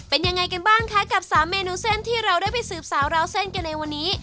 เป็นยังไงกันบ้างคะกับ๓เมนูเส้นที่เราได้ไปสืบสาวราวเส้นกันในวันนี้